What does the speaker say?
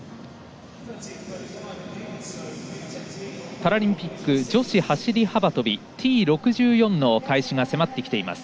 パラリンピック女子走り幅跳びＴ６４の開始が迫ってきています。